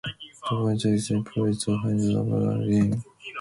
The pointer is employed to find upland game.